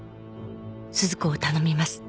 「鈴子を頼みます」